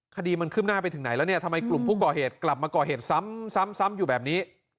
คดีมันขึ้นหน้าไปถึงไหนแล้วเนี่ยทำไมกลุ่มผู้ก่อเหตุกลับมาก่อเหตุซ้ำอยู่แบบนี้